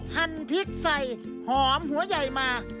หั่นพริกใส่หอมหัวใหญ่มา